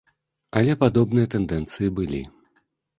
Але падобныя тэндэнцыі былі.